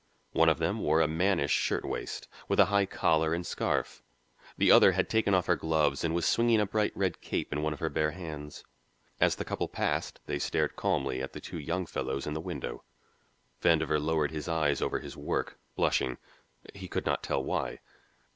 One of them wore a mannish shirtwaist, with a high collar and scarf. The other had taken off her gloves and was swinging a bright red cape in one of her bare hands. As the couple passed they stared calmly at the two young fellows in the window; Vandover lowered his eyes over his work, blushing, he could not tell why.